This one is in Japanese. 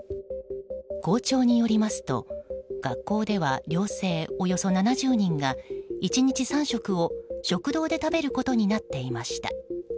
校長によりますと学校では寮生およそ７０人が１日３食を食堂で食べることになっていました。